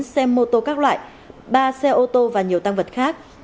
ba mươi chín xe mô tô các loại ba xe ô tô và nhiều tăng vật khác